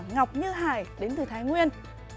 ngọc như hải đến từ thái nguyên